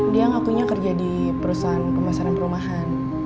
dia ngakunya kerja di perusahaan pemasaran perumahan